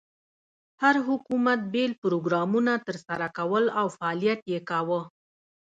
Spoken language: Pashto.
هر حکومت بېل پروګرامونه تر سره کول او فعالیت یې کاوه.